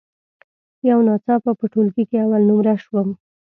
یو ناڅاپه په ټولګي کې اول نمره شوم.